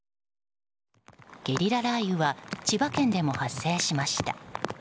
ゲリラ雷雨は千葉県でも発生しました。